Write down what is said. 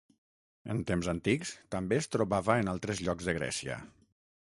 En temps antics, també es trobava en altres llocs de Grècia.